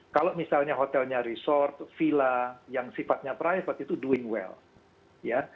kalau misalnya hotelnya resort villa yang sifatnya private itu melakukan dengan baik